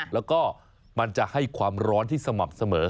แล้วก็มันจะให้ความร้อนที่สม่ำเสมอ